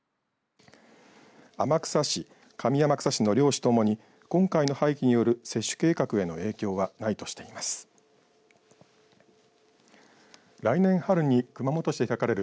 天草市、上天草市の両市ともに今回の廃棄による接種計画への影響はないとしています。